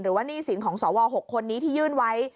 หนี้สินของสว๖คนนี้ที่ยื่นไว้